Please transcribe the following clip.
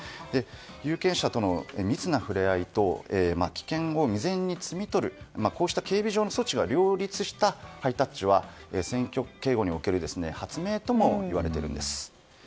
有権者との密な触れ合いと危険を事前に摘み取るこうした警備上の措置が両立したハイタッチは選挙警護における発明とも言われています。